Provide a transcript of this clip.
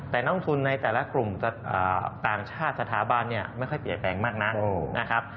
แต่น้องทุนในแต่ละกลุ่มต่างชาติสถาบันไม่ค่อยเปียกแปลงมากนะ